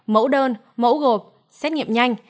mẫu đơn mẫu gộp xét nghiệm nhanh